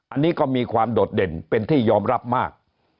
อันนี้ก็มีความโดดเด่นเป็นที่ยอมรับมาก